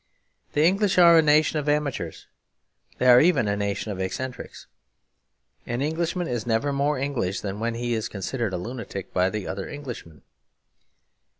The English are a nation of amateurs; they are even a nation of eccentrics. An Englishman is never more English than when he is considered a lunatic by the other Englishmen.